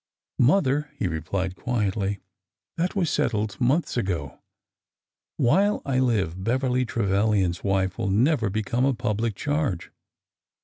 '' Mother," he replied quietly, '' that was settled months ago. While I live, Beverly Trevilian's wife will never become a public charge."